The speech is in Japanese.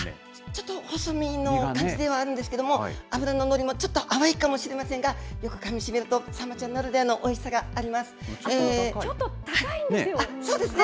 ちょっと細身の感じではあるんですけれども、脂の乗りもちょっと甘いかもしれませんが、よくかみしめると、サンマちゃんならちょっと高いんですよ。